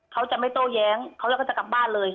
เขาจะไม่โต้แย้งเขาแล้วก็จะกลับบ้านเลย